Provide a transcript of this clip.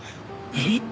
えっ？